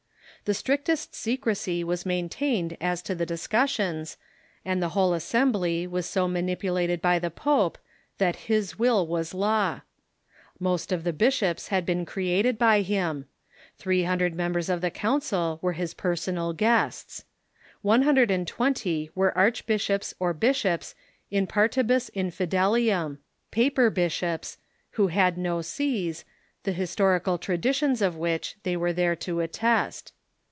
The strictest secrecy was maintained as to the discussions, and the whole assembly was so manipulated by the pope that his will was law. Most of the bishoj^s had been created by him. Three hundred members of the council were his personal guests. One hundred and twenty were arch bishops or bishops in partihus infideliimi — paper bishops — who had no sees, the historical traditions of which they were there to attest.